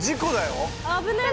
危ない。